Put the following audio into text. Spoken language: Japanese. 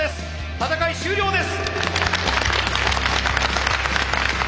戦い終了です。